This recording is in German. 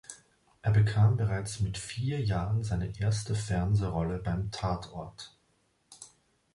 Er bekam bereits mit vier Jahren seine erste Fernsehrolle beim „Tatort“.